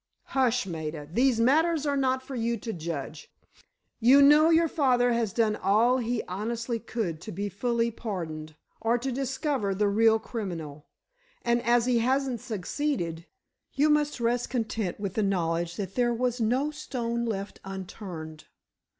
"Hush, Maida. These matters are not for you to judge. You know your father has done all he honestly could to be fully pardoned, or to discover the real criminal, and as he hasn't succeeded, you must rest content with the knowledge that there was no stone left unturned."